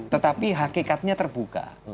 tetapi hakikatnya terbuka